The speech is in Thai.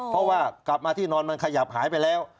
เพราะว่ากลับมาที่นอนมันขยับหายไปแล้ว